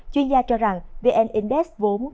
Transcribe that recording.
chuyên gia cho rằng vn index vốn có thay đổi